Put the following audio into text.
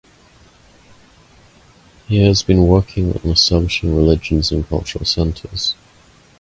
He has been working on establishing religious and cultural centres.